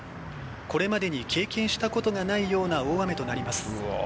これまでに経験したことがないような大雨となります。